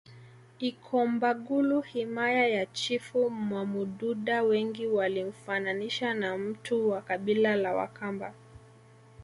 Ikombagulu himaya ya chifu Mwamududa Wengi walimfananisha na mtu wa kabila la wakamba